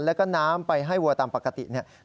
แล้วก็น้ำไปให้วัวตามปกติเนี่ย